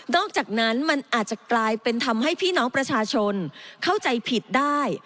อกจากนั้นมันอาจจะกลายเป็นทำให้พี่น้องประชาชนเข้าใจผิดได้